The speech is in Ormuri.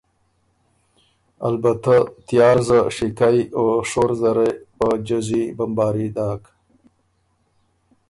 البته تیارزه، شِکئ او شور زره وې په جزی بمباري داک۔